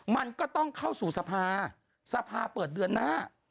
มันก็ต้องเข้าสู่สภาสภาเปิดเดือนหน้า